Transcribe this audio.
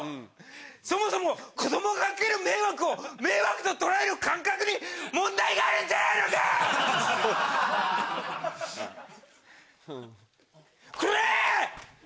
そもそも子供がかける迷惑を迷惑と捉える感覚に問題があるんじゃないのか⁉こら！